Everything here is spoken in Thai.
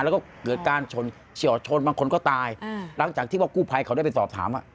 แล้วก็เกิดการชนเฉียวชนบางคนก็ตายหลังจากที่ว่ากู้ภัยเขาได้ไปสอบถาม